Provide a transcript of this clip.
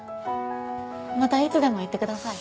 またいつでも言ってください。